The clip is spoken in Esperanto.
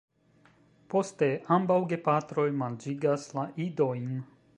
Poste ambaŭ gepatroj manĝigas la idojn.